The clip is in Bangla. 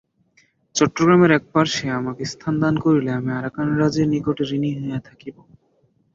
চট্টগ্রামের এক পার্শ্বে আমাকে স্থান দান করিলে আমি আরাকানরাজের নিকটে ঋণী হইয়া থাকিব।